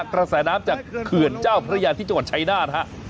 กระแสน้ำจากเขื่อนเจ้าพระยาที่จังหวัดชายนาฏฮะ